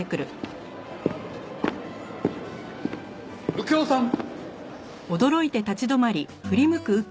右京さん。